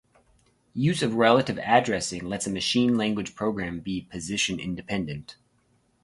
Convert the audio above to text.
Use of relative addressing lets a machine-language program be position-independent.